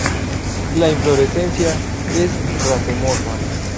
La inflorescencia es racemosa.